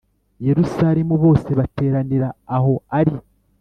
Yerusalemu bose bateranira aho ari